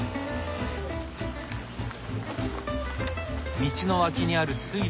道の脇にある水路も掃除。